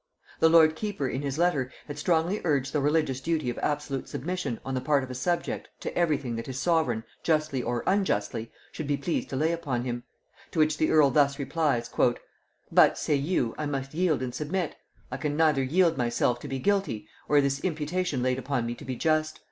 The lord keeper in his letter had strongly urged the religious duty of absolute submission on the part of a subject to every thing that his sovereign, justly or unjustly, should be pleased to lay upon him; to which the earl thus replies: "But, say you, I must yield and submit. I can neither yield myself to be guilty, or this imputation laid upon me to be just.